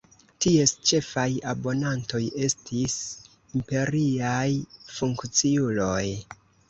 Ties ĉefaj abonantoj estis imperiaj funkciuloj.